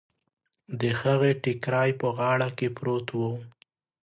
د هغې ټکری په غاړه کې پروت و.